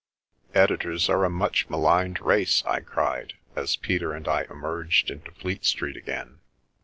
" Editors are a much maligned race," I cried, as Peter and I emerged into Fleet Street again.